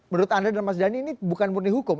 menurut anda dan mas dhani ini bukan murni hukum